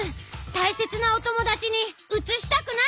大切なおともだちにうつしたくない！